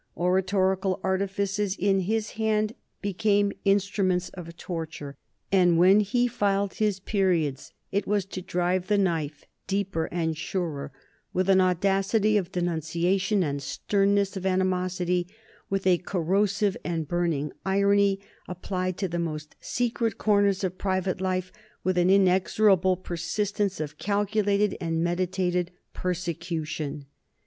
Oratorical artifices in his hand became instruments of torture, and when he filed his periods it was to drive the knife deeper and surer, with an audacity of denunciation and sternness of animosity, with a corrosive and burning irony applied to the most secret corners of private life, with an inexorable persistence of calculated and meditated persecution.